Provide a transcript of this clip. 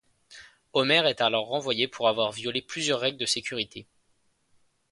Homer est alors renvoyé pour avoir violé plusieurs règles de sécurité.